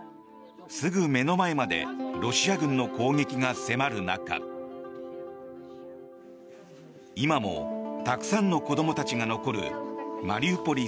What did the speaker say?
すぐ目の前までロシア軍の攻撃が迫る中今もたくさんの子どもたちが残るマリウポリ